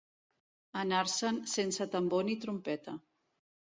Anar-se'n sense tambor ni trompeta.